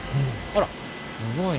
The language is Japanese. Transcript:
あらすごい。